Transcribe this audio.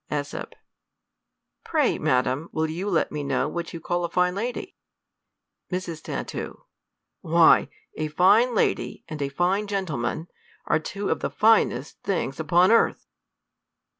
^s. Pray, madam, will you let me know what you call a fine lady ? Mrs. Tat. Why, a fine lady, and a fine gentleman, are tw^o of the finest things upon earth.